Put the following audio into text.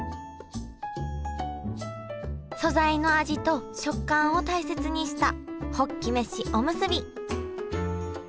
素材の味と食感を大切にしたホッキ飯おむすび。